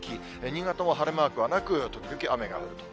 新潟も晴れマークはなく、時々雨が降ると。